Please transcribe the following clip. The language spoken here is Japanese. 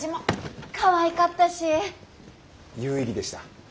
有意義でした。